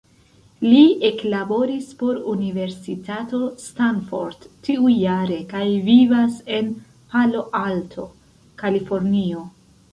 Li eklaboris por Universitato Stanford tiujare kaj vivas en Palo Alto, Kalifornio.